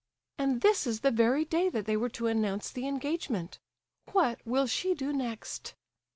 "And this is the very day that they were to announce the engagement! What will she do next?"